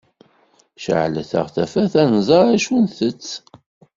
Ceɛlet-aɣ tafat, ad nẓer acu ntett.